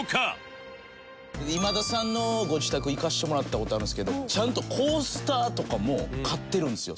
今田さんのご自宅行かせてもらった事あるんですけどちゃんとコースターとかも買ってるんですよ。